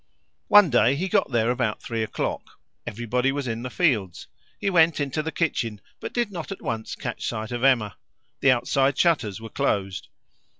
One day he got there about three o'clock. Everybody was in the fields. He went into the kitchen, but did not at once catch sight of Emma; the outside shutters were closed.